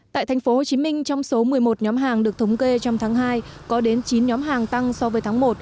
tại tp hcm trong số một mươi một nhóm hàng được thống kê trong tháng hai có đến chín nhóm hàng tăng so với tháng một